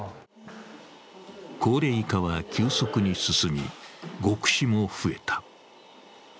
高齢化は急速に進み獄死も増えた。